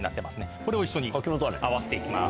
これを一緒に合わせて行きます。